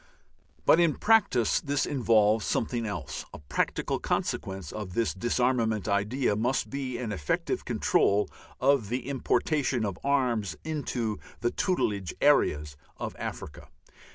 But in practice this involves something else. A practical consequence of this disarmament idea must be an effective control of the importation of arms into the "tutelage" areas of Africa.